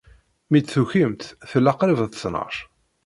Mi d-tukimt, tella qrib d ttnac.